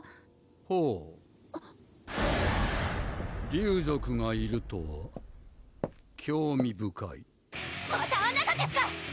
・ほう・竜族がいるとは興味深いまたあなたですか！